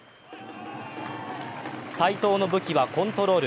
斎藤の武器はコントロール。